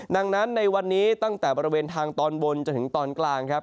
ดังนั้นในวันนี้ตั้งแต่บริเวณทางตอนบนจนถึงตอนกลางครับ